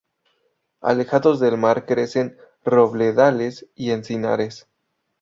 Alejados del mar crecen robledales y encinares.